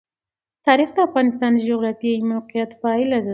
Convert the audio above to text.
تاریخ د افغانستان د جغرافیایي موقیعت پایله ده.